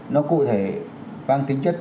nó cụ thể vang tính chất